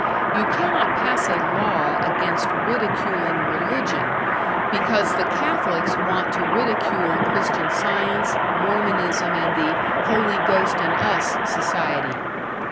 You cannot pass a law against ridiculing religion, because the Catholics want to ridicule Christian Science, Mormonism, and the "Holy Ghost and Us" Society!